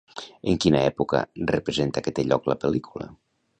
En quina època representa que té lloc la pel·lícula?